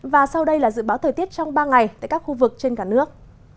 và sau đây là dự báo thời tiết trong ba ngày tại các khu vực trên cả nước